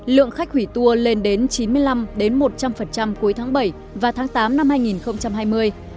lượng khách hủy tour lên đến chín mươi năm một trăm linh cuối tháng bảy và tháng tám năm hai nghìn hai mươi